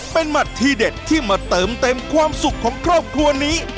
เป็นหมัดทีเด็ดที่มาเติมเต็มความสุขของครอบครัวนี้